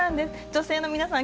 女性の皆さん